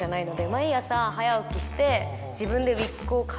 毎朝早起きして自分で。